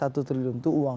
satu triliun itu uang